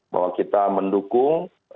bahwa kita mendukung